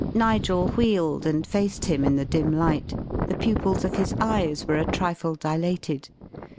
Nigel wheeled and faced him in the dim light. The pupils of his eyes were a trifle dilated.